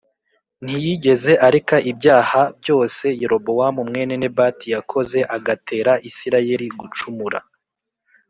Ntiyigeze areka ibyaha byose Yerobowamu mwene Nebati yakoze agatera Isirayeli gucumura